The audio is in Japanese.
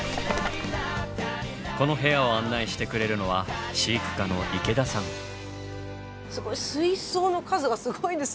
この部屋を案内してくれるのはすごい水槽の数がすごいですよね。